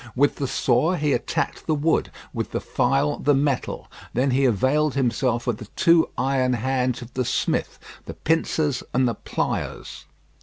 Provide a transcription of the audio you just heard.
With the saw he attacked the wood; with the file the metal. Then he availed himself of the two iron hands of the smith the pincers and the pliers.